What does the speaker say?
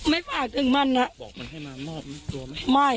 ไม่ฝากถึงมันล่ะไหม